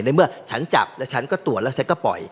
เมื่อฉันจับแล้วฉันก็ตรวจแล้วฉันก็ปล่อย